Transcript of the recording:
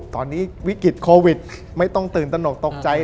ตอนนี้วิกฤตโควิดไม่ต้องตื่นตนกตกใจ